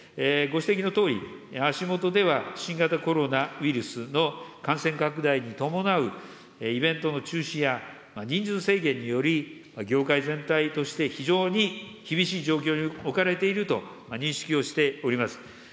ご指摘のとおり、足もとでは新型コロナウイルスの感染拡大に伴うイベントの中止や、人数制限により、業界全体として非常に厳しい状況に置かれていると認識をしております。